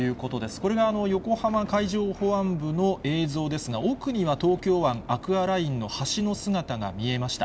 これが横浜海上保安部の映像ですが、奥には東京湾アクアラインの橋の姿が見えました。